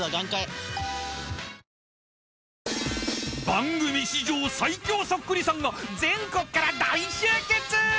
［番組史上最強そっくりさんが全国から大集結！］